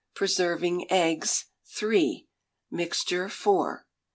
Preserving Eggs, (3) Mixture for.